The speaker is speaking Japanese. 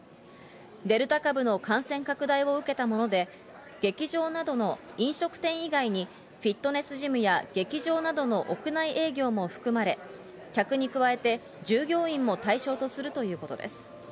デルタ株の感染拡大を受けたもので、劇場などの飲食店以外にフィットネスジムや劇場などの屋内営業も含まれ、客に加えて従業員も対象とするということです。